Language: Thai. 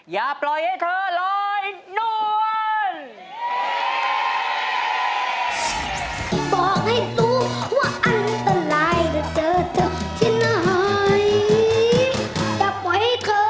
อย่าปล่อยให้เธอลอยนวล